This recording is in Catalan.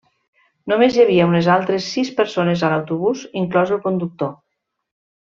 Només hi havia unes altres sis persones a l'autobús, inclòs el conductor.